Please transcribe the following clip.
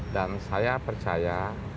dan saya percaya